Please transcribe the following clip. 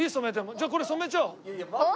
じゃあこれ染めちゃおう。